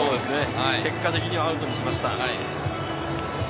結果的にアウトにしました。